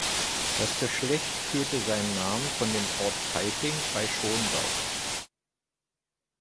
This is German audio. Das Geschlecht führte seinen Namen von dem Ort Peiting bei Schongau.